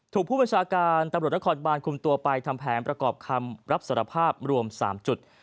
ถูกผู้ประชาการตำรวจและขอดบานคุมตัวไปทำแพงประกอบคำรับสารภาพรวม๓จุด